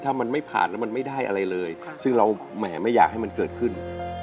ถ้ามันไม่ผ่านแล้วมันไม่ได้อะไรเลยซึ่งเราแหมไม่อยากให้มันเกิดขึ้น